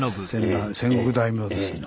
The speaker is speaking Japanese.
戦国大名ですね。